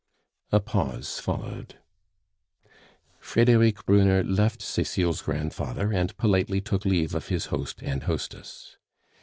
A pause followed; Frederic Brunner left Cecile's grandfather and politely took leave of his host and hostess.